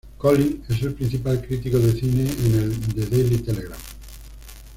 Collin es el principal crítico de cine en el "The Daily Telegraph".